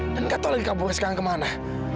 dan gak tau lagi kaburnya sekarang kemana